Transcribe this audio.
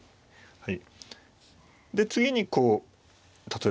はい。